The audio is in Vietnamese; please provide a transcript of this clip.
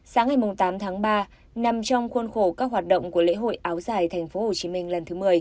sáng ngày tám tháng ba nằm trong khuôn khổ các hoạt động của lễ hội áo giải tp hcm lần thứ một mươi